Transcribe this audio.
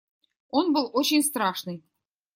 Он был очень страшный.